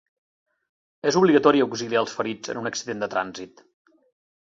És obligatori auxiliar el ferits en un accident de trànsit.